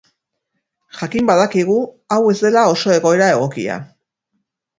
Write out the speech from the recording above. Jakin badakigu hau ez dela oso egoera egokia.